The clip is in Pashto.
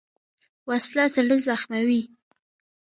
وسله زړه زخموي